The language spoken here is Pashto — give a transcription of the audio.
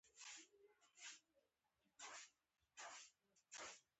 د لاک په نظر واک باید محدود وي.